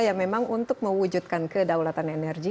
yang memang untuk mewujudkan kedaulatan energi